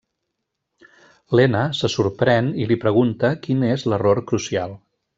Lena se sorprèn i li pregunta quin és l'error crucial.